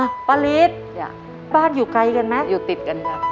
อ่ะป้าลิตอย่าบ้านอยู่ไกลกันไหมอยู่ติดกันจ้ะ